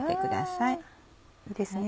いいですね